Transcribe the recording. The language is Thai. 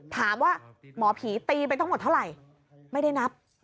ถามว่าหมอผีตีไปทั้งหมดเท่าไหร่ไม่ได้นับ